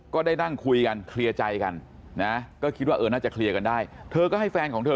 ก็ได้นั่งคุยกันเคลียร์ใจกันนะก็คิดว่าเออน่าจะเคลียร์กันได้เธอก็ให้แฟนของเธอ